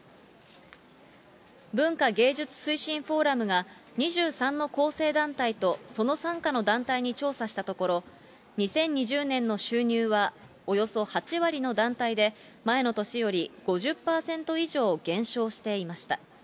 文化芸術推進フォーラムが２３の構成団体とその傘下の団体に調査したところ、２０２０年の収入は、およそ８割の団体で、前の年より５０％以上減少していました。